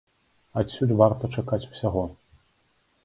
Адсюль варта чакаць усяго.